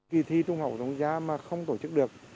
kỳ thi trung học phổ thông quốc gia mà không tổ chức được